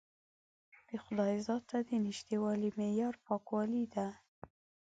د خدای ذات ته د نژدېوالي معیار پاکوالی دی.